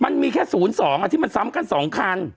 มันมีแค่๐๒ที่มันซ้ำกัน๒คัน